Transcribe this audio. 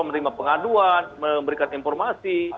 menerima pengaduan memberikan informasi